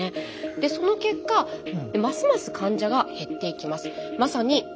でその結果ますます患者が減っていきます。